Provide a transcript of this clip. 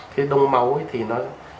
thì đông máu thì nó